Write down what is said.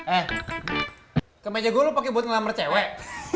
eh ke meja gua lo pake buat ngelamar cewek